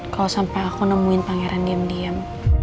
kalau sampe aku nemuin pangeran diem diem